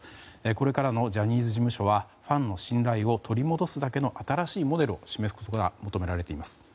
これからのジャニーズ事務所はファンの信頼を取り戻すだけの新しいモデルを示すことが求められています。